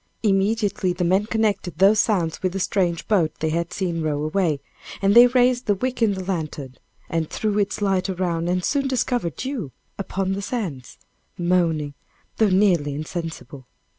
Immediately the men connected those sounds with the strange boat they had seen row away, and they raised the wick in the lantern, and threw its light around, and soon discovered you upon the sands, moaning, though nearly insensible.